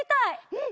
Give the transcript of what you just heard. うん！